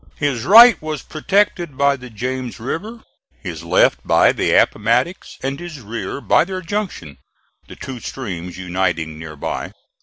His right was protected by the James River, his left by the Appomattox, and his rear by their junction the two streams uniting near by.